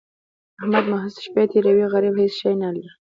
احمد محض شپې تېروي؛ غريب هيڅ شی نه لري.